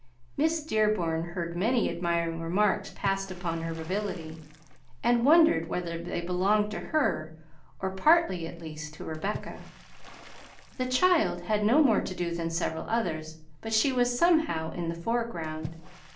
Miss Dearborn heard many admiring remarks passed upon her ability, and wondered whether they belonged to her or partly, at least, to Rebecca. The child had no more to do than several others, but she was somehow in the foreground.